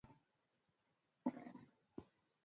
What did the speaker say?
Ina mamlaka kamili ya kuratibu na kusimamia Mpango Mkuu